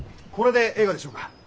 これでええがでしょうか？